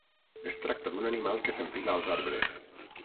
Es tracta d'un animal que s'enfila als arbres.